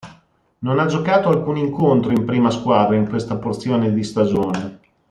Non ha giocato alcun incontro in prima squadra in questa porzione di stagione.